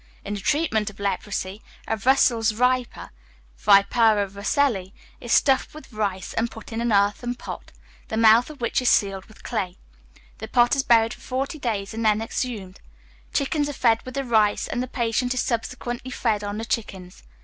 In the treatment of leprosy, a Russell's viper (Vipera russellii) is stuffed with rice, and put in an earthen pot, the mouth of which is sealed with clay. The pot is buried for forty days, and then exhumed. Chickens are fed with the rice, and the patient is subsequently fed on the chickens.